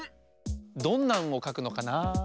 どんな「ん」をかくのかな？